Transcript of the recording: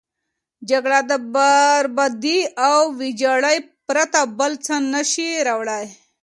جګړه د بربادي او ویجاړي پرته بل څه نه شي راوړی.